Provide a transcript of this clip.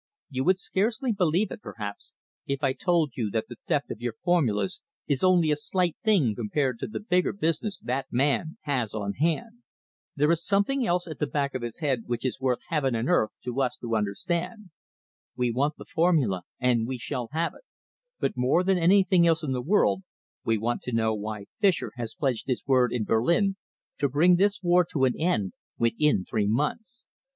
You would scarcely believe it, perhaps, if I told you that the theft of your formulas is only a slight thing compared to the bigger business that man has on hand. There is something else at the back of his head which is worth heaven and earth to us to understand. We want the formula and we shall have it, but more than anything else in the world we want to know why Fischer has pledged his word in Berlin to bring this war to an end within three months.